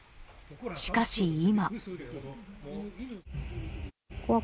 しかし今。